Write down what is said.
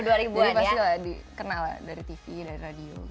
jadi pasti lah dikenal lah dari tv dari radio